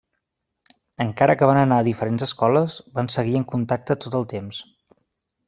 Encara que van anar a diferents escoles, van seguir en contacte tot el temps.